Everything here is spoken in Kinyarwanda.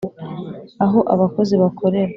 aho abakozi bakorera